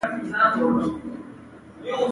ښایست د آرام ژوند راز دی